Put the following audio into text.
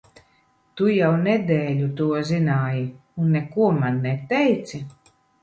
Tu jau nedēļu to zināji, un neko man neteici?